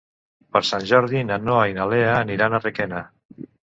Per Sant Jordi na Noa i na Lea aniran a Requena.